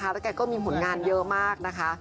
แล้วแกก็มีผลงานเยอะมากนะคะ